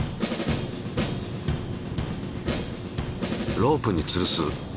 ロープにつるす。